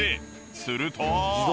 すると。